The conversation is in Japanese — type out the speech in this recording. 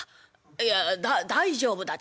いやだ大丈夫だ。